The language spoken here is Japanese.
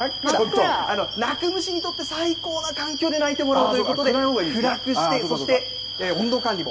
鳴く虫にとって最高な環境で鳴いてもらおうということで、暗くして、そして温度管理も。